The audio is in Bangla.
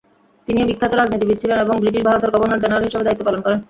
তিনিও বিখ্যাত রাজনীতিবিদ ছিলেন এবং ব্রিটিশ ভারতের গভর্নর জেনারেল হিসেবে দায়ীত্ব পালন করেন।